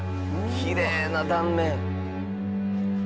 きれいな断面。